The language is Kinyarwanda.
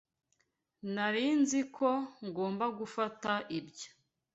Nari nzi ko ngomba gufata ibyo.